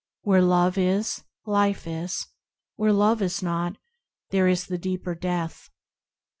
Where Love is, Life is ; Where Love is not, there is the deeper death.